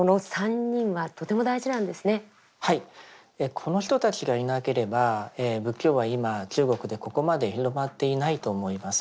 この人たちがいなければ仏教は今中国でここまで広まっていないと思います。